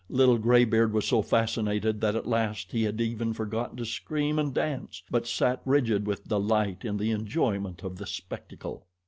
Little graybeard was so fascinated that at last he had even forgotten to scream and dance; but sat rigid with delight in the enjoyment of the spectacle.